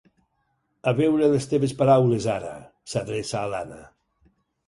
A veure les teves paraules, ara —s'adreça a l'Anna.